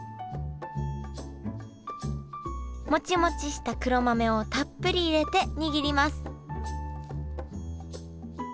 モチモチした黒豆をたっぷり入れて握ります